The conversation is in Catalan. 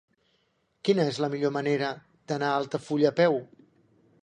Quina és la millor manera d'anar a Altafulla a peu?